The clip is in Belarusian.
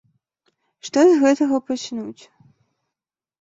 Што з гэтага пачнуць.